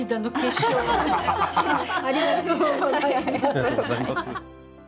ありがとうございます。